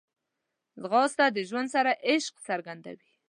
ځغاسته د ژوند سره عشق څرګندوي